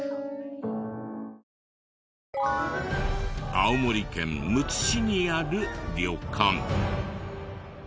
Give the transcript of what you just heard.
青森県むつ市にある旅館。